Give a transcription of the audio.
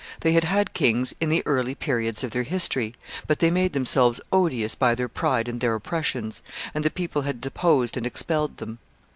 They had had kings in the early periods of their history, but they made themselves odious by their pride and their oppressions, and the people had deposed and expelled them.